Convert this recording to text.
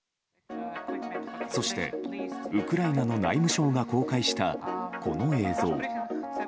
そして、ウクライナの内務省が公開したこの映像。